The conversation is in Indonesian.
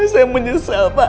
saya menyesal pak